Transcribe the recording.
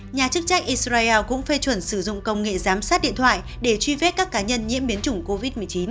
nhà chức trách israel cũng phê chuẩn sử dụng công nghệ giám sát điện thoại để truy vết các cá nhân nhiễm biến chủng covid một mươi chín